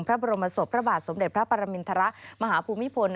พระบรมศพพระบาทสมเด็จพระปรมินทรมาหาภูมิพล